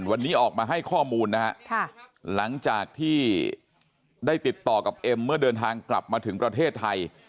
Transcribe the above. วันนี้ออกมาให้ข้อมูลนะฮะหลังจากที่ได้ติดต่อกับเอ็มเมื่อเดินทางกลับมาถึงประเทศไทย